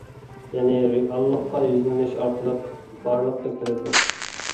يەنى رېئاللىققا يۈزلىنىش ئارقىلىق بارلىققا كېلىدۇ.